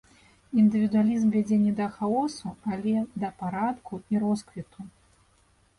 Індывідуалізм вядзе не да хаосу, але да парадку і росквіту.